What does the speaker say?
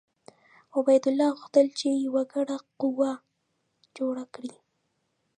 عبیدالله غوښتل چې یوه ګډه قوه جوړه کړي.